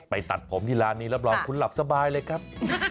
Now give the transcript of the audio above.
ตัดผมที่ร้านนี้รับรองคุณหลับสบายเลยครับ